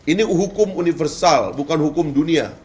ini hukum universal bukan hukum dunia